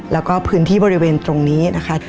แล้วก็พื้นที่บริเวณตรงนี้นะคะ